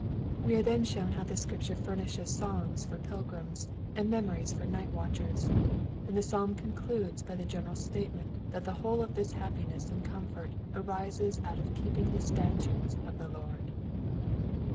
We are then shown how the Scripture furnishes songs for pilgrims, and memories for night watchers ; and the psalm concludes by the general statement that the whole of this liappiness and comfort arises out of keeping the statutes of the Lord.